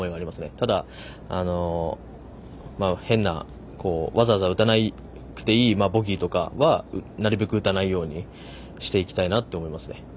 ただ、変なわざわざ打たなくていいボギーとかはなるべく打たないようにしていきたいと思います。